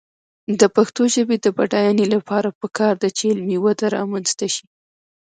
د پښتو ژبې د بډاینې لپاره پکار ده چې علمي وده رامنځته شي.